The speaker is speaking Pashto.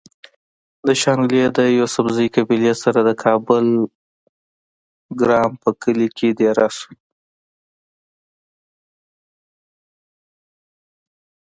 د شانګلې د يوسفزۍقبيلې سره د کابل ګرام پۀ کلي کې ديره شو